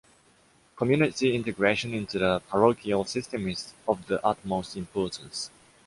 Community integration into the parochial system is of the utmost importance.